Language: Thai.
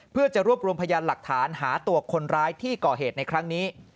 เพื่อจะรวบรวมพยานหลักฐานหาตัวคนร้ายที่ก่อเหตุในครั้งนี้